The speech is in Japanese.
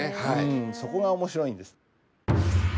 そこが面白いんです。